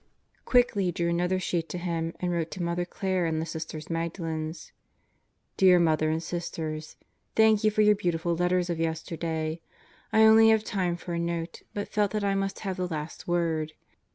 Quickly he drew another sheet to him and wrote to Mother Clare and the Sister Magdalens: Dear Mother and Sisters: Thank you for your beautiful letters of yesterday. I only have time for a note, but felt that I must have the last word.